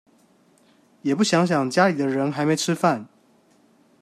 也不想想家裡的人還沒吃飯